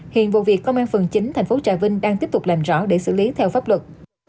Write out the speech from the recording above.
hiện vụ việc công an phương chín thành phố trà vinh đang tiếp tục làm rõ để xử lý theo pháp luật